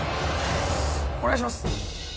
お願いします！